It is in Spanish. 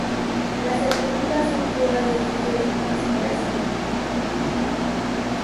Las sepulturas son todas del tipo de incineración.